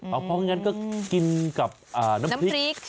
เพราะงั้นก็กินกับน้ำพริก